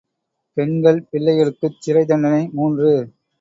பெண்கள், பிள்ளைகளுக்குச் சிறை தண்டனை மூன்று.